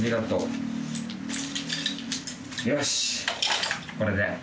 よしこれで。